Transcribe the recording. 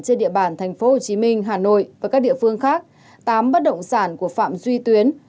trên địa bàn tp hcm hà nội và các địa phương khác tám bất động sản của phạm duy tuyến